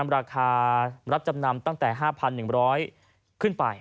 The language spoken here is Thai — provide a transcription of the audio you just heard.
ราคารับจำนำตั้งแต่๕๑๐๐ขึ้นไป